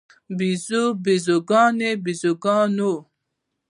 بیزو، بیزوګانې، بیزوګانو